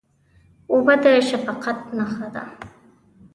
اوبه د شفقت نښه ده.